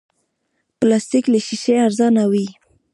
پلاستيک له شیشې ارزانه وي.